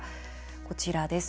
こちらです。